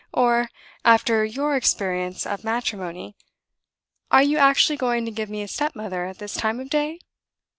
Or, after your experience of matrimony, are you actually going to give me a stepmother at this time of day?